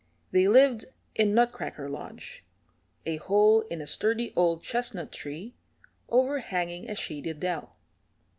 They lived in Nutcracker Lodge, a hole in a sturdy old chestnut tree overhanging a shady dell.